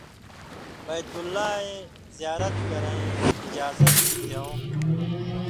بیت اللہ ایں زیارت کرَیں اِجازہ دېوں